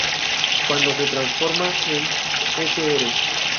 Cuando se transforma en Sr.